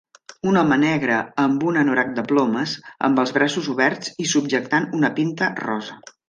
Un home negre amb un anorac de plomes amb els braços oberts i subjectant una pinta rosa.